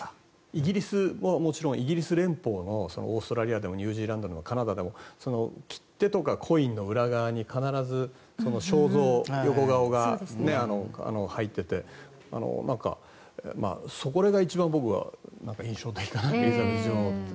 イギリスはもちろんイギリス連邦のオーストラリアとかニュージーランドでもカナダでも切手とかコインの裏側に必ず肖像、横顔が入っててそれが一番僕は印象的かなエリザベス女王って。